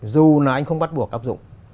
dù là anh không bắt buộc áp dụng